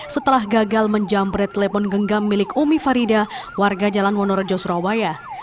setelah gagal menjamret telepon genggam milik umi farida warga jalan wonorejo surabaya